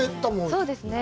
そうですね。